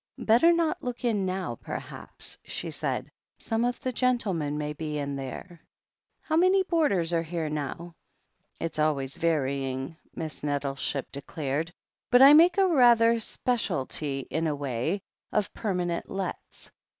"Better not look in now, perhaps," she said. "Some of the gentlemen may be in there." "How many boarders are here now ?*' "It's always varying," Miss Nettleship declared. "But I make rather a specialty, in a way, of permanent lets.